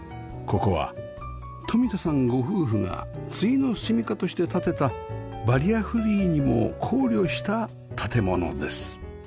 ここは冨田さんご夫婦が終のすみかとして建てたバリアフリーにも考慮した建物です